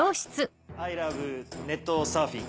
アイラブネットサーフィン。